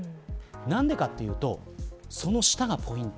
何でかというとその下がポイント。